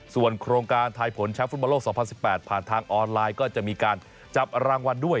ส่วนโครงการทายผลแชมป์ฟุตบอลโลก๒๐๑๘ผ่านทางออนไลน์ก็จะมีการจับรางวัลด้วย